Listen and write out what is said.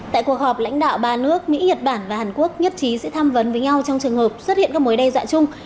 tại cuộc họp lãnh đạo ba nước mỹ nhật bản và hàn quốc nhất trí sẽ tham vấn với nhau trong trường hợp xuất hiện các mối đe dọa chung